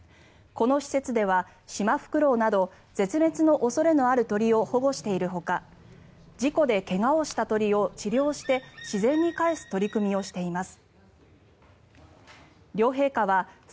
この施設ではシマフクロウなど絶滅の恐れのある鳥を保護しているほか事故で怪我をした鳥を治療して自然に返す取り組みをしています。